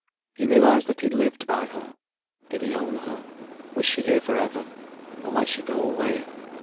He realized that he lived by her. Did he own her? Was she here for ever? Or might she go away?